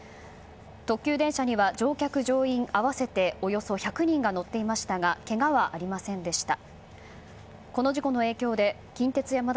特急電車には乗客・乗員合わせておよそ１００人が乗っていましたがけがはありませんでした。